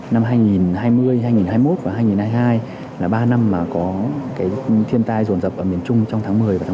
năm hai nghìn hai mươi hai nghìn hai mươi một và hai nghìn hai mươi hai là ba năm mà có cái thiên tai ruồn dập ở miền trung trong tháng một mươi và tháng một mươi một